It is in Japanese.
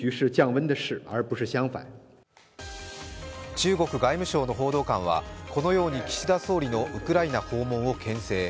中国外務省の報道官は、このように岸田総理のウクライナ訪問をけん制。